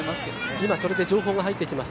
今それで情報が入ってきました。